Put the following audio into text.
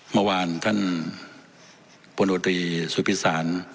เมื่อวานท่านคนโดตริสุศิษฐาน